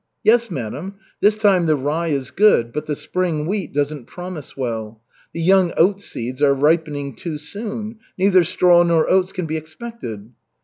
"Yes, madam. This time the rye is good, but the spring wheat doesn't promise well. The young oat seeds are ripening too soon. Neither straw nor oats can be expected."